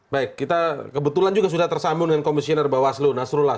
baik kita kebetulan juga sudah tersambung dengan komisioner bawaslu nasrullah